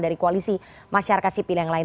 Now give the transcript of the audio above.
dari koalisi masyarakat sipil yang lain